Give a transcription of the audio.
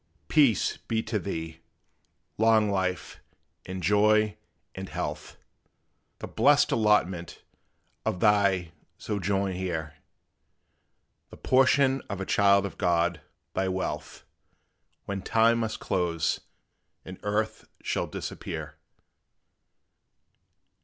Peace be to thee long life, and joy, and health The blest allotment of thy sojourn here; The portion of a child of God, thy wealth, When time must close, and earth shall disappear!